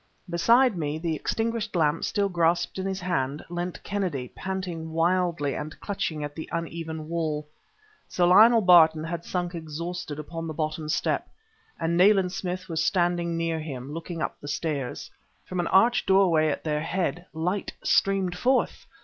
Beside me, the extinguished lamp still grasped in his hand, leant Kennedy, panting wildly and clutching at the uneven wall. Sir Lionel Barton had sunk exhausted upon the bottom step, and Nayland Smith was standing near him, looking up the stairs. From an arched doorway at their head light streamed forth!